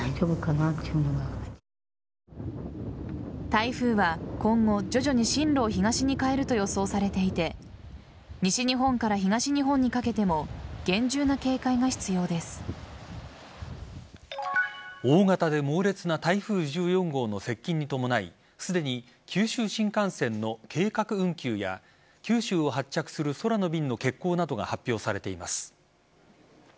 台風は今後、徐々に進路を東に変えると予想されていて西日本から東日本にかけても大型で猛烈な台風１４号の接近に伴いすでに九州新幹線の計画運休や九州を発着する空の便の欠航などが発表されています。